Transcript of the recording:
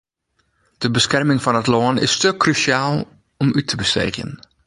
De beskerming fan it lân is te krúsjaal om út te besteegjen.